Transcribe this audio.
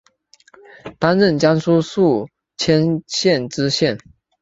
担任江苏宿迁县知县。